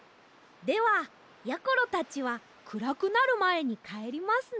ではやころたちはくらくなるまえにかえりますね。